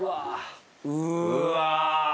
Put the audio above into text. うわ。